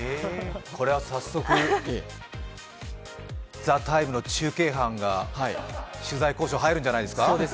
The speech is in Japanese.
これは早速「ＴＨＥＴＩＭＥ，」の中継班が取材交渉に入るんじゃないですか？